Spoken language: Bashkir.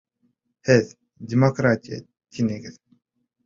Һеҙ, демократия, тинегеҙ.